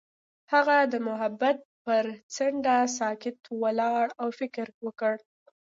هغه د محبت پر څنډه ساکت ولاړ او فکر وکړ.